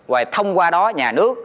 và thông qua đó nhà nước